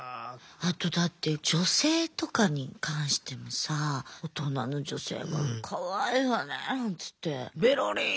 あとだって女性とかに関してもさ大人の女性が「かわいいわね！」